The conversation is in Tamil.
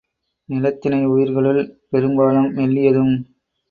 நிலைத்திணை உயிர்களுள், பெரும்பாலும் மெல்லியதும்